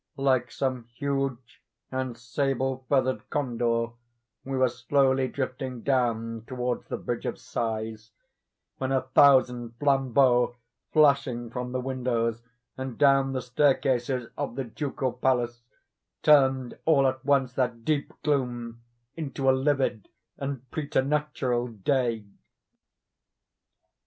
Like some huge and sable feathered condor, we were slowly drifting down towards the Bridge of Sighs, when a thousand flambeaux flashing from the windows, and down the staircases of the Ducal Palace, turned all at once that deep gloom into a livid and preternatural day.